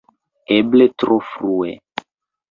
Eble tro frue!